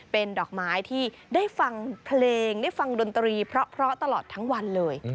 เป็นดอกไม้ที่ได้ฟังเพลงได้ฟังดนตรีเพราะตลอดทั้งวันเลย